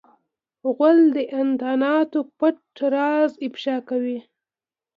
غول د انتاناتو پټ راز افشا کوي.